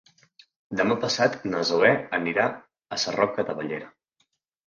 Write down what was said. Demà passat na Zoè anirà a Sarroca de Bellera.